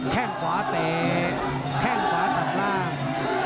แค่งขวาเตะแข้งขวาตัดล่าง